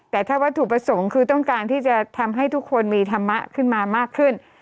แต่ถ้าวัตถุประสงค์คือต้องการที่จะทำให้ทุกคนมีธรรมะขึ้นมามากขึ้น